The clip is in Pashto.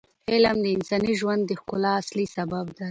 علم د انساني ژوند د ښکلا اصلي سبب دی.